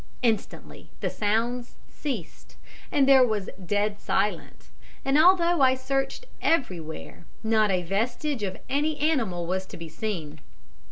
Instantly the sounds ceased and there was dead silence, and although I searched everywhere, not a vestige of any animal was to be seen.